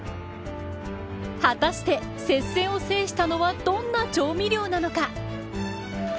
果たして、接戦を制したのはどんな調味料なのか。